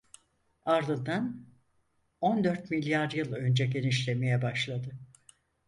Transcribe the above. Ardından, on dört milyar yıl önce genişlemeye başladı…